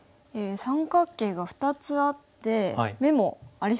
三角形が２つあって眼もありそうですね